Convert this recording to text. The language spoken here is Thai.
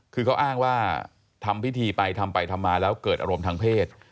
คือเขาอ้างว่าทำพิธีไปทำไปทำมาแล้วเกิดอารมณ์ทางเพศ